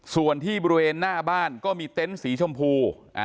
ส่วนที่บริเวณหน้าบ้านก็มีเต็นต์สีชมพู